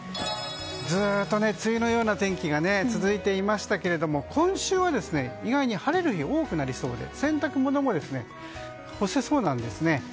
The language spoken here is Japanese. ずっと梅雨のような天気が続いていましたが今週は意外に晴れる日が多くなりそうで洗濯物も干せそうなんですね。